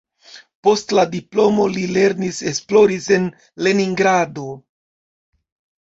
Post la diplomo li lernis-esploris en Leningrado.